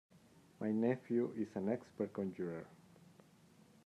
My nephew is an expert conjurer.